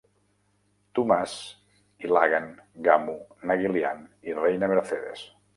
Tomas, Ilagan, Gamu, Naguilian i Reina Mercedes.